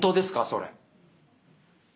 それ。